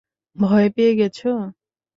ভয় পেয়ে গেছো?